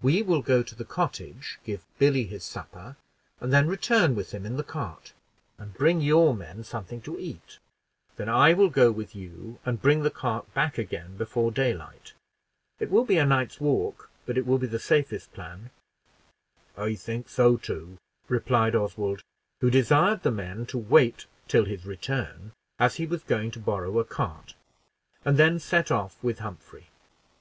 We will go to the cottage, give Billy his supper, and then return with him in the cart, and bring your men something to eat. Then I will go with you, and bring the cart back again before daylight. It will be a night's work, but it will be the safest plan." "I think so, too," replied Oswald, who desired the men to wait till his return, as he was going to borrow a cart, and then set off with Humphrey.